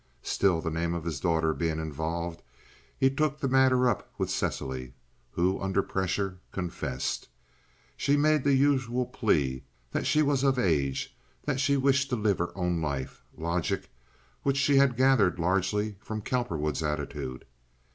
Still, the name of his daughter being involved, he took the matter up with Cecily, who under pressure confessed. She made the usual plea that she was of age, and that she wished to live her own life—logic which she had gathered largely from Cowperwood's attitude.